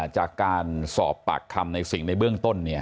จากการสอบปากคำในสิ่งในเบื้องต้น